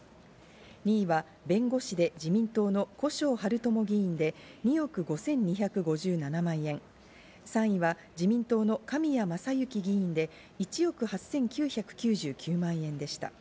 ２位は弁護士で自民党の古庄玄知議員で２億５２５７万円、３位は自民党の神谷政幸議員で１億８９９９万円でした。